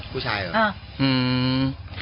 ผู้ชายเหรอ